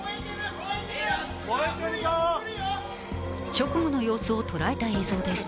直後の様子を捉えた映像です。